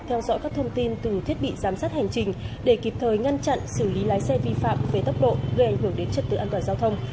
theo dõi các thông tin từ thiết bị giám sát hành trình để kịp thời ngăn chặn xử lý lái xe vi phạm về tốc độ gây ảnh hưởng đến trật tự an toàn giao thông